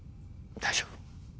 大丈夫。